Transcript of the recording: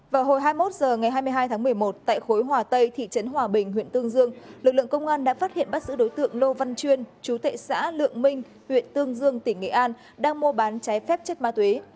vào hồi hai mươi một h ngày hai mươi hai tháng một mươi một tại khối hòa tây thị trấn hòa bình huyện tương dương lực lượng công an đã phát hiện bắt giữ đối tượng lô văn chuyên chú tệ xã lượng minh huyện tương dương tỉnh nghệ an đang mua bán trái phép chất ma túy